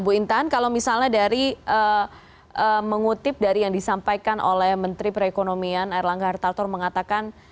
bu intan kalau misalnya dari mengutip dari yang disampaikan oleh menteri perekonomian erlangga hartarto mengatakan